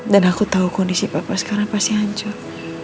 dan aku tau kondisi bapak sekarang pasti hancur